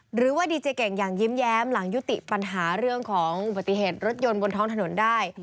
หรือว่าดีเจเก่งอย่างยิ้มแย้มหลังยุติปัญหาเรื่องของอุบัติเหตุรถยนต์บนท้องถนนได้